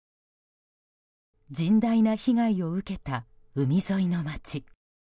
甚大な被害を受けた海沿いの街。